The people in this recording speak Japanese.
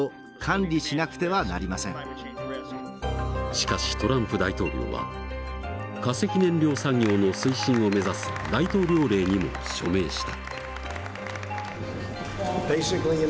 しかしトランプ大統領は化石燃料産業の推進を目指す大統領令にも署名した。